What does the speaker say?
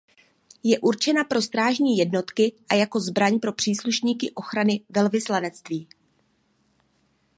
Je určena pro strážní jednotky a jako zbraň pro příslušníky ochrany velvyslanectví.